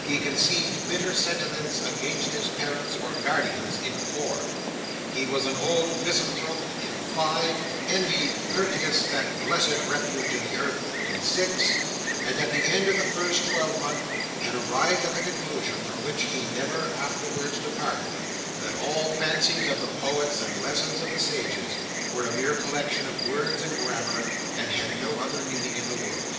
He conceived bitter sentiments against his parents or guardians in four; he was an old misanthrope, in five; envied Curtius that blessed refuge in the earth, in six; and at the end of the first twelvemonth had arrived at the conclusion, from which he never afterwards departed, that all the fancies of the poets, and lessons of the sages, were a mere collection of words and grammar, and had no other meaning in the world.